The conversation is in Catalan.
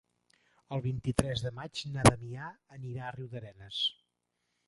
El vint-i-tres de maig na Damià anirà a Riudarenes.